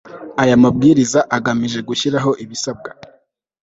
Aya mabwiriza agamije gushyiraho ibisabwa